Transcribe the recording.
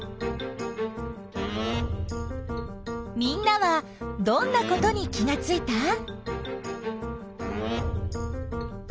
みんなはどんなことに気がついた？